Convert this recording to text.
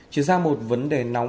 chuyển sang một vấn đề nóng